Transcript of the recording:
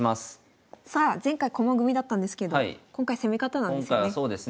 さあ前回駒組みだったんですけど今回攻め方なんですよね。